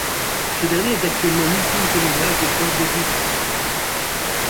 Ce dernier est actuellement l'ultime témoignage des forges d'Uza.